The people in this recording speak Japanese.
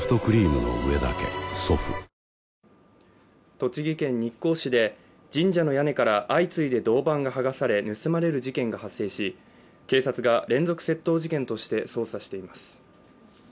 栃木県日光市で神社の屋根から相次いで銅板が剥がされ盗まれる事件が発生し警察が連続窃盗事件として捜査しています。